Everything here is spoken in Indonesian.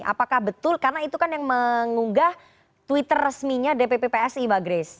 apakah betul karena itu kan yang mengunggah twitter resminya dpp psi mbak grace